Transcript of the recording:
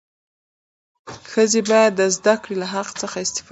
ښځې باید د زدهکړې له حق څخه استفاده وکړي.